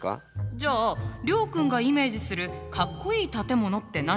じゃあ諒君がイメージするカッコイイ建物って何かしら？